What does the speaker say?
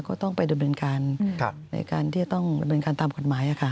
ก็ต้องไปดำเนินการในการที่จะต้องดำเนินการตามกฎหมาย